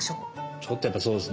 ちょっとやっぱそうですね。